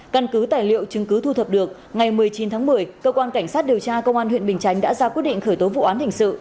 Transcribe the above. căn cứ tài liệu chứng cứ thu thập được ngày một mươi chín tháng một mươi cơ quan cảnh sát điều tra công an huyện bình chánh đã ra quyết định khởi tố vụ án hình sự